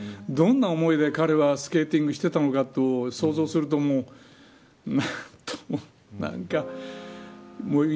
どんな思いで彼はスケーティングしていたのかと想像するともう、何とも。